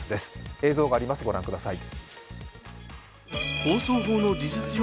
映像があります、ご覧ください。